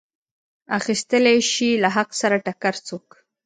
اخیستلی شي له حق سره ټکر څوک.